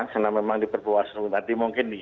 karena memang di bawaslu nanti mungkin di